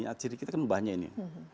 minyak sirih kita kan banyak ini